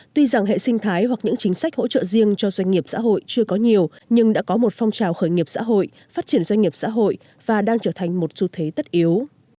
tuy rằng hệ sinh thái hoặc những chính sách hỗ trợ riêng cho doanh nghiệp xã hội chưa có nhiều nhưng đã có một phong trào khởi nghiệp xã hội phát triển doanh nghiệp xã hội và đang trở thành một xu thế tất yếu